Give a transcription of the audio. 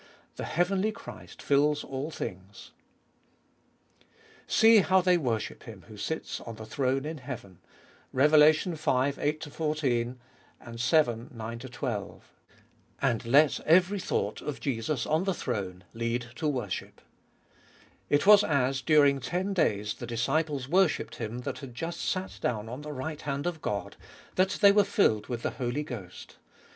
The heavenly Christ fills all things. 3. See how they worship Him who sits on the throne in heaven (Rev. v. 8 14, vii. 9 12), and let every thought of Jesus on the throne lead to worship. It was as, during ten days, the disciples worshipped Him that had just sat down on the right hand of God, that they were filled with the Holy Ghost.